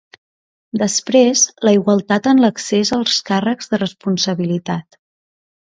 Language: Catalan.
Després, la igualtat en l’accés als càrrecs de responsabilitat.